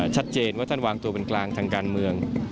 ชัดเจนว่าท่านวางตัวเป็นกลางทางการเมือง